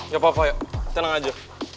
gak apa apa ya tenang aja